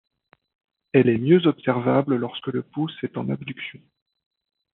Elle est mieux observable lorsque le pouce est en abduction.